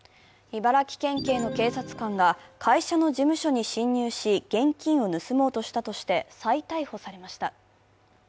茨城県警の警察官が会社の事務所に侵入し現金を盗もうとしたとして、再逮捕されました。